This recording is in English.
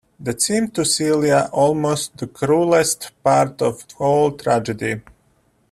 That seemed to Celia almost the cruellest part of the whole tragedy.